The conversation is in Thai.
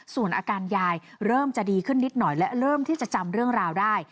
ส่วนอาการยายเริ่มจะดีขึ้นนิดหน่อยและเริ่มที่จะจำเรื่องราวได้